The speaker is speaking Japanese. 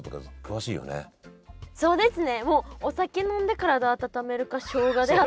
そうですね。